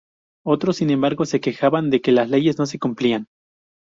Otros, sin embargo, se quejaban de que las leyes no se cumplían.